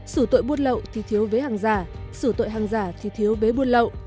xử tội buôn lậu thì thiếu vế hàng giả xử tội hàng giả thì thiếu vế buôn lậu